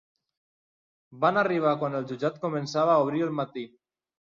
Van arribar quan el jutjat començava a obrir al matí.